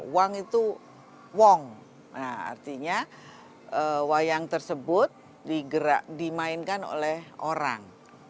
wang itu wong artinya wayang tersebut dimainkan oleh orang